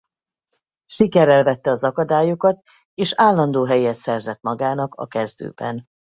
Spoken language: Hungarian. Sikerrel vette az akadályokat és állandó helyet szerzett magának a kezdőben.